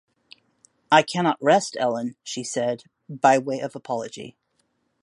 ‘I cannot rest, Ellen,’ she said, by way of apology.